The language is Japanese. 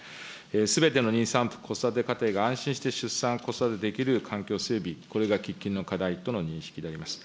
すべての妊産婦、子育て家庭が安心して出産、子育てできる環境整備、これが喫緊の課題との認識であります。